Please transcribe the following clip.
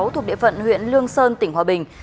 thuộc địa phận huyện lương sơn tỉnh hòa bình